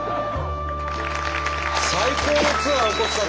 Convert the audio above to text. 最高のツアー大越さん